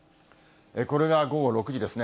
これが午後６時ですね。